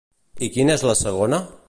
I quina és la segona?